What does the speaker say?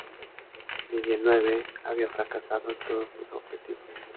Villeneuve había fracasado en todos sus objetivos.